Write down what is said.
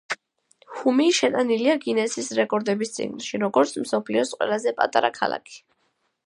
ჰუმი შეტანილია გინესის რეკორდების წიგნში, როგორც მსოფლიოს ყველაზე პატარა ქალაქი.